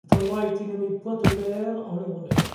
Cet endroit a été nommé Pointe-aux-Pères en leur honneur.